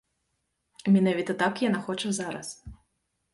Менавіта так яна хоча зараз.